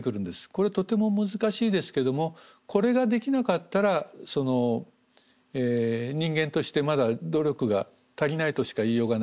これとても難しいですけどもこれができなかったら人間としてまだ努力が足りないとしか言いようがない。